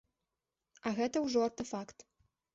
А гэта ўжо артэфакт.